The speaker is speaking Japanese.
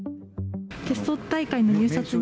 テスト大会の入札に。